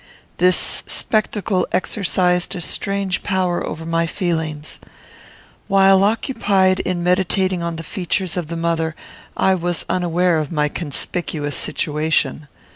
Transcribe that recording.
This spectacle exercised a strange power over my feelings. While occupied in meditating on the features of the mother, I was unaware of my conspicuous situation.